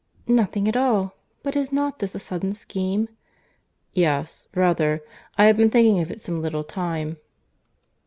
"Nothing at all. But is not this a sudden scheme?" "Yes—rather—I have been thinking of it some little time."